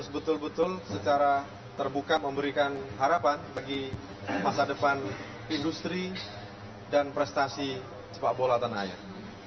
betul betul secara terbuka memberikan harapan bagi masa depan industri dan prestasi sepak bola tanah air